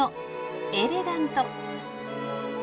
エレガント。